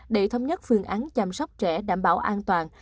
để thống nhất phương án chăm sóc trẻ đảm bảo an toàn